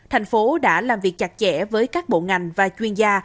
thành phố đã làm việc chặt chẽ với các bộ ngành và chuyên gia